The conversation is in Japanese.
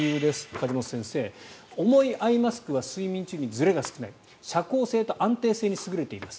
梶本先生、重いアイマスクは睡眠中にずれが少ない遮光性と安定性に優れています